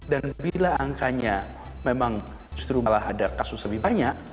dan bila angkanya memang justru malah ada kasus lebih banyak